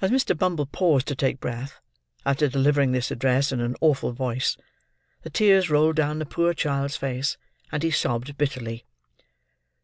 As Mr. Bumble paused to take breath, after delivering this address in an awful voice, the tears rolled down the poor child's face, and he sobbed bitterly.